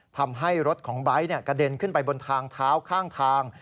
ทำให้รถของไบท์กระเด็นขึ้นไปบนทางเท้าข้างทาง